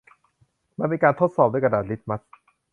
มันเป็นการทดสอบด้วยกระดาษลิตมัส